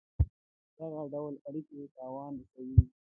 دغه ډول اړېکي تاوان رسوي.